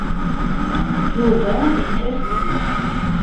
Yuba yettasem.